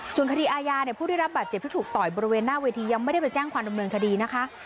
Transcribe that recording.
ส่วนคดีอาญาเนี่ยผู้ได้รับบาดเจ็บที่ถูกต่อยบริเวณหน้าเวทียังไม่ได้ไปแจ้งความดำเนินคดีนะคะ